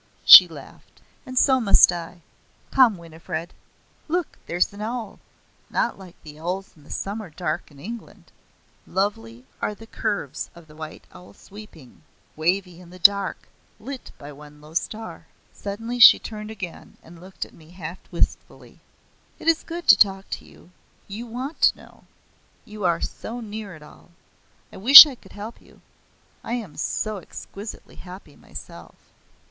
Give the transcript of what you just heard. She laughed. "And so must I. Come, Winifred. Look, there's an owl; not like the owls in the summer dark in England "Lovely are the curves of the white owl sweeping, Wavy in the dark, lit by one low star." Suddenly she turned again and looked at me half wistfully. "It is good to talk to you. You want to know. You are so near it all. I wish I could help you; I am so exquisitely happy myself."